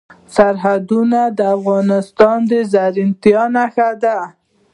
سرحدونه د افغانستان د زرغونتیا نښه ده.